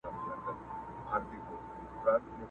ټول مېږي وه خو هر ګوره سره بېل وه!!